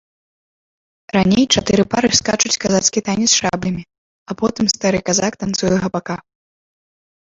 Раней чатыры пары скачуць казацкі танец з шаблямі, а потым стары казак танцуе гапака.